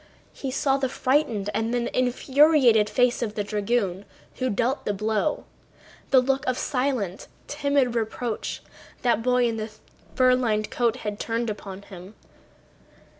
He saw the frightened and then infuriated face of the dragoon who dealt the blow, the look of silent, timid reproach that boy in the fur lined coat had turned upon him.